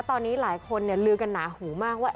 ตอนนี้หลายคนลือกันหนาหูมากว่า